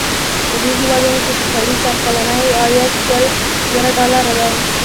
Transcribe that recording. په دې هېوادونو کې د سړي سر کلنی عاید شل زره ډالره دی.